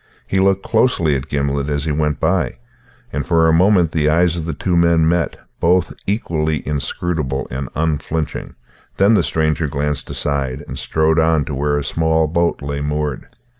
He looked closely at Gimblet as he went by, and for a moment the eyes of the two men met, both equally inscrutable and unflinching; then the stranger glanced aside and strode on to where a small boat lay moored.